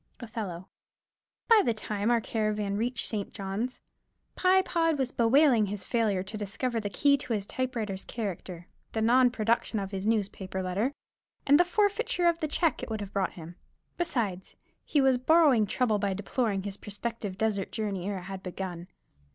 Othello. By the time our caravan reached St. Johns, Pye Pod was bewailing his failure to discover the key to his typewriter's character, the non production of his newspaper letter, and the forfeiture of the check it would have brought him; besides, he was borrowing trouble by deploring his prospective desert journey ere it had begun.